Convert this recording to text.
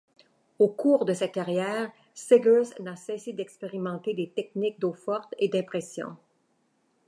Au cours de sa carrière, Seghers n'a cessé d'expérimenter des techniques d'eau-forte et d'impression.